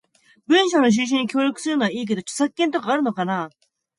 文章の収集に協力するのはいいけど、著作権とかあるのかな？